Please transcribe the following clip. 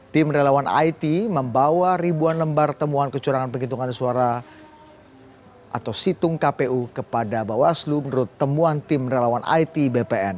tim relawan it membawa ribuan lembar temuan kecurangan penghitungan suara atau situng kpu kepada bawaslu menurut temuan tim relawan it bpn